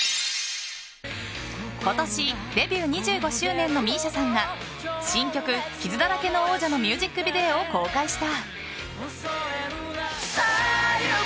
今年デビュー２５周年のＭＩＳＩＡさんが新曲「傷だらけの王者」のミュージックビデオを公開した。